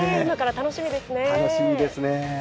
楽しみですねえ。